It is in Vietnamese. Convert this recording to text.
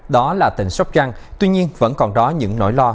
đó là tình sốc răng tuy nhiên vẫn còn đó những nỗi lo